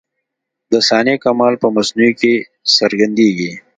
د صانع کمال په مصنوعي کي څرګندېږي.